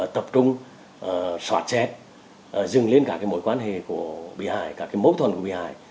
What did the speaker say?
chúng tôi xoạt xét dừng lên cả mối quan hệ của bị hại các mâu thuẫn của bị hại